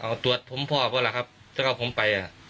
เอาตรวจผมพ่อเพราะล่ะครับจะเอาผมไป